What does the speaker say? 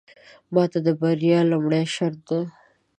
ماته د بريا لومړې شرط دی.